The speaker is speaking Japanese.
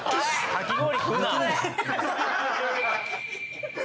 かき氷？